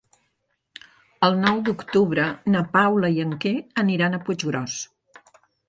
El nou d'octubre na Paula i en Quer aniran a Puiggròs.